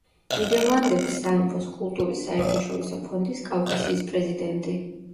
ნიდერლანდების სამეფოს კულტურის საერთაშორისო ფონდის „კავკასიის“ პრეზიდენტი.